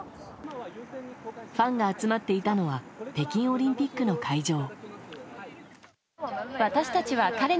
ファンが集まっていたのは北京オリンピックの会場。